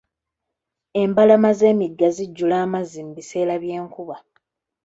Embalama z'emigga zijjula amazzi mu biseera by'enkuba.